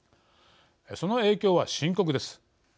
その影響は深刻です。